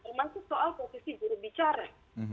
termasuk soal posisi juru bicara